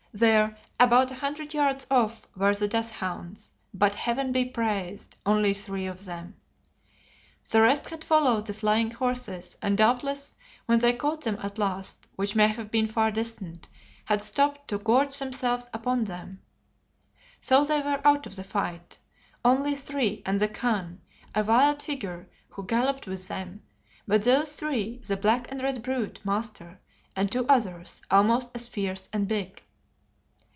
There, about a hundred yards off, were the death hounds, but Heaven be praised! only three of them. The rest had followed the flying horses, and doubtless when they caught them at last, which may have been far distant, had stopped to gorge themselves upon them. So they were out of the fight. Only three, and the Khan, a wild figure, who galloped with them; but those three, the black and red brute, Master, and two others almost as fierce and big.